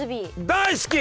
大好き！